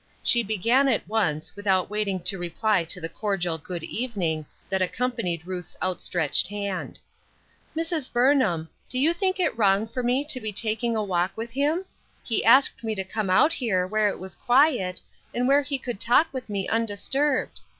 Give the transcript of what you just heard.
She began at once, without waiting to reply to the cordial " Good evening !" that accom panied Ruth's outstretched hand. " Mrs. Burnham, do you think it wrong for me to be taking a walk with him ? He asked me to come out here, where it was quiet, and where he could talk with me undisturbed.